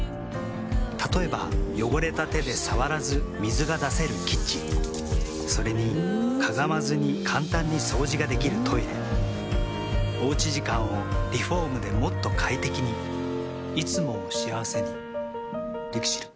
例えば汚れた手で触らず水が出せるキッチンそれにかがまずに簡単に掃除ができるトイレおうち時間をリフォームでもっと快適にいつもを幸せにＬＩＸＩＬ。